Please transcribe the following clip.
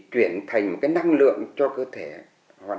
trung bình khi uống một ly bia có khoảng một trăm linh tế bảo não bị giết chết